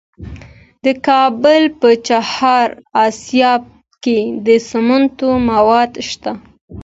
د کابل په چهار اسیاب کې د سمنټو مواد شته.